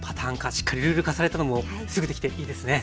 しっかりルール化されたのもすぐできていいですね。